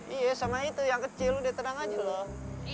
iya sama itu yang kecil udah tenang aja loh